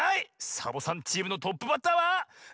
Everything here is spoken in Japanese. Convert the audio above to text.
サボさんチームのトップバッターは「ニャンちゅう！